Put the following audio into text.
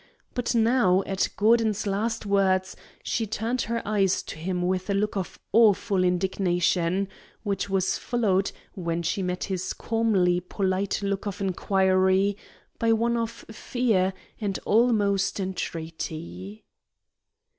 But now, at Gordon's last words, she turned her eyes to him with a look of awful indignation, which was followed, when she met his calmly polite look of inquiry, by one of fear and almost of entreaty.